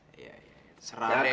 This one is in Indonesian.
ya ya ya terserah deh